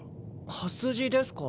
刃筋ですか？